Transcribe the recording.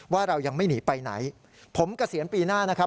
ว่าเรายังไม่หนีไปไหนผมเกษียณปีหน้านะครับ